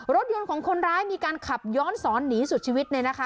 รถยนต์ของคนร้ายมีการขับย้อนสอนหนีสุดชีวิตเลยนะคะ